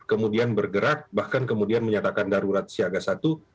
kemudian bergerak bahkan kemudian menyatakan darurat siaga satu